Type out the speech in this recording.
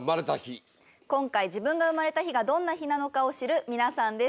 今回自分が生まれた日がどんな日なのかを知る皆さんです。